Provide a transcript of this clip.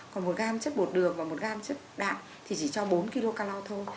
còn một gam chất bột đường và một gam chất đạm thì chỉ cho bốn kcal thôi